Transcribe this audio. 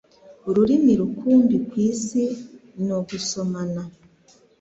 Ururimi rukumbi kwisi ni ugusomana.